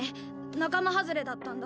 仲間はずれだったんだ。